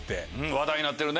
話題になってるね。